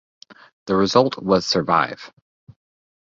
The result was Survive!